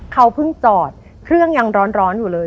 เขาเพิ่งจอดเครื่องยังร้อนอยู่เลย